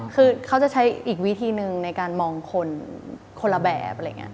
คือเขาจะใช้อีกวิธีหนึ่งในการมองคนคนละแบบ